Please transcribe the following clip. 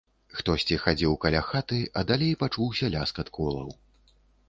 Хтосьці хадзіў каля хаты, а далей пачуўся ляскат колаў.